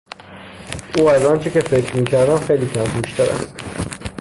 او از آنچه که فکر میکردم خیلی کم هوشتر است.